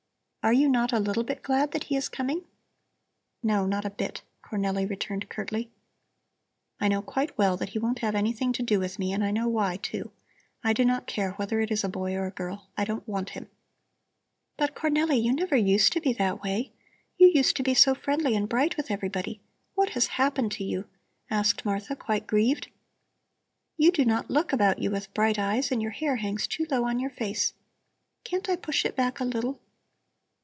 Are you not a little bit glad that he is coming?" "No, not a bit," Cornelli returned curtly. "I know quite well that he won't have anything to do with me, and I know why, too. I do not care whether it is a boy or a girl. I don't want him." "But Cornelli, you never used to be that way. You used to be so friendly and bright with everybody. What has happened to you?" asked Martha, quite grieved. "You do not look about you with bright eyes and your hair hangs too low on your face. Can't I push it back a little?"